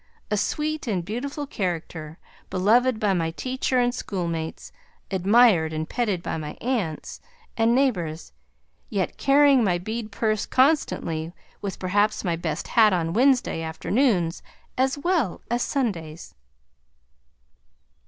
A sweet and beautiful character, beloved by my teacher and schoolmates, admired and petted by my aunts and neighbors, yet carrying my bead purse constantly, with perhaps my best hat on Wednesday afternoons, as well as Sundays!